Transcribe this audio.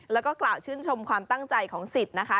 แล้วก็กล่าวชื่นชมความตั้งใจของสิทธิ์นะคะ